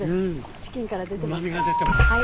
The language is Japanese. チキンから出てますから。